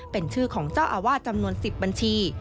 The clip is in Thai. เป็นชื่อของเจ้าอาวาสจำนวน๑๐บัญชี